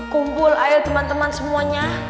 kumpul ayo teman teman semuanya